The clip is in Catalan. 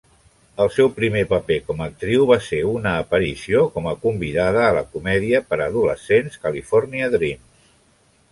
El seu primer paper com actriu va ser una aparició com a convidada a la comèdia per a adolescents "California Dreams".